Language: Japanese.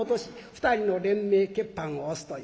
２人の連名血判を押すという。